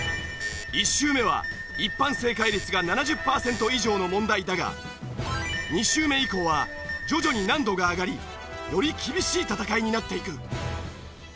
１周目は一般正解率が７０パーセント以上の問題だが２周目以降は徐々に難度が上がりより厳しい戦いになっていく。